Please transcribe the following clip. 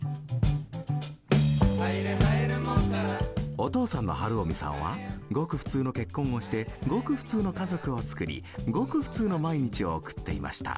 お父さんの晴臣さんはごく普通の結婚をしてごく普通の家族を作りごく普通の毎日を送っていました。